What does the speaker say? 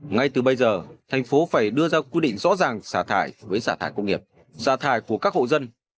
ngay từ bây giờ thành phố phải đưa ra quy định rõ ràng xả thải với xả thải công nghiệp xả thải của các hộ dân